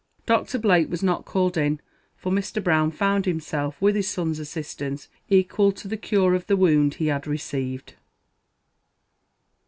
Doctor Blake was not called in, for Mr. Brown found himself, with his son's assistance, equal to the cure of the wound he had received.